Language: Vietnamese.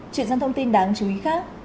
chuyển sang thông tin đáng chú ý khác